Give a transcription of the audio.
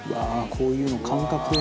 こういうの感覚で」